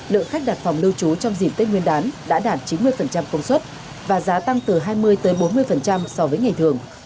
lượng khách đặt phòng lưu trú trong dịp tết nguyên đán đã đạt chín mươi công suất và giá tăng từ hai mươi tới bốn mươi so với ngày thường